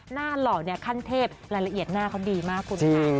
หล่อเนี่ยขั้นเทพรายละเอียดหน้าเขาดีมากคุณค่ะ